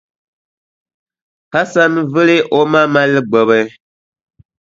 Hasan vili o ma mali gbubi.